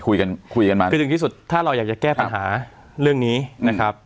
คุยกันคุยกันมาคือถึงที่สุดถ้าเราอยากจะแก้ปัญหาเรื่องนี้นะครับ